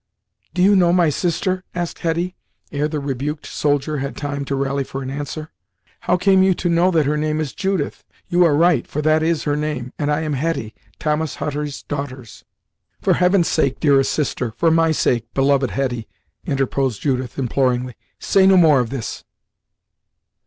"Do you know my sister?" asked Hetty, ere the rebuked soldier had time to rally for an answer. "How came you to know that her name is Judith? You are right, for that is her name; and I am Hetty; Thomas Hutter's daughters." "For heaven's sake, dearest sister; for my sake, beloved Hetty," interposed Judith, imploringly, "say no more of this!"